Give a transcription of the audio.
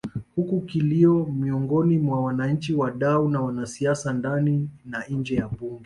Huku kilio miongoni mwa wananchi wadau na wanasiasa ndani na nje ya Bunge